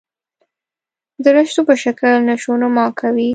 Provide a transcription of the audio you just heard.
درشتو په شکل نشونما کوي.